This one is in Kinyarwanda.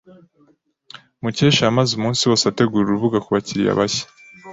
Mukesha yamaze umunsi wose ategura urubuga kubakiriya bashya.